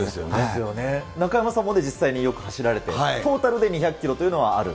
中山さんも実際によく走られて、トータルで２００キロというのはある。